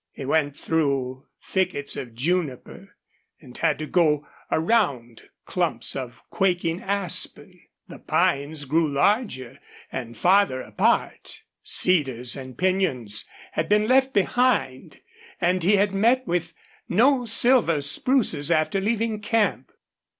He went through thickets of juniper, and had to go around clumps of quaking aspen. The pines grew larger and farther apart. Cedars and pinyons had been left behind, and he had met with no silver spruces after leaving camp.